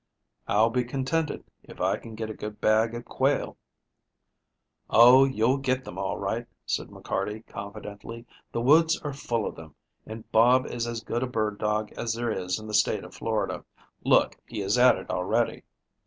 "I'll be contented if I can get a good bag of quail." "Oh, you'll get them, all right," said McCarty confidently. "The woods are full of them, and Bob is as good a bird dog as there is in the State of Florida. Look, he is at it already."